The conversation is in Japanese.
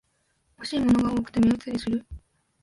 欲しいものが多くて目移りする